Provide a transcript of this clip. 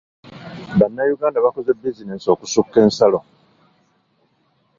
Bannayuganda bakoze bizinensi okusukka ensalo.